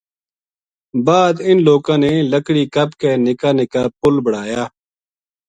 بعد اِن لوکاں نے لکڑی کپ کے نِکا نِکا پل بڑایا